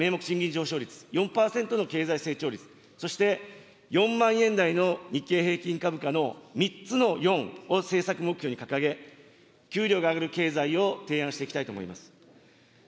賃金上昇率、４％の経済成長率、そして４万円台の日経平均株価の３つの４を政策目標に掲げ、給料が上がる経済を提案していきたいと思います。